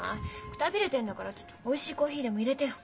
くたびれてんだからちょっとおいしいコーヒーでもいれてよ。